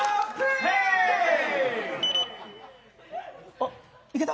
あっ、いけた？